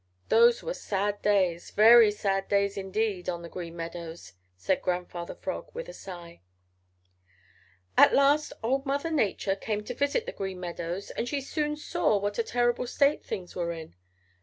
Those were sad days, very sad days indeed on the Green Meadows," said Grandfather Frog, with a sigh. "At last old Mother Nature came to visit the Green Meadows and she soon saw what a terrible state things were in.